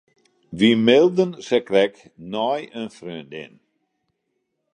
Wy mailden sakrekt nei in freondin.